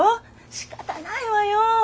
しかたないわよ。